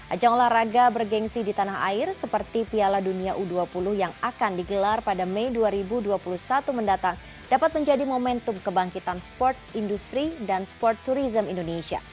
ajang olahraga bergensi di tanah air seperti piala dunia u dua puluh yang akan digelar pada mei dua ribu dua puluh satu mendatang dapat menjadi momentum kebangkitan sports industri dan sport tourism indonesia